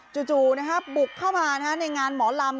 จู่บุกเข้ามาในงานหมอลำ